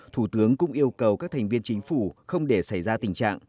thủ tướng cũng yêu cầu các thành viên chính phủ không để xảy ra tình trạng